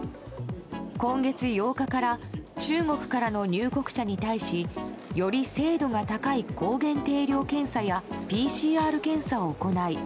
今月８日から中国からの入国者に対しより精度が高い抗原定量検査やＰＣＲ検査を行い